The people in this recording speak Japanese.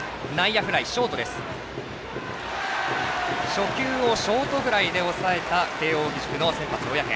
初球をショートフライで抑えた慶応義塾の先発、小宅。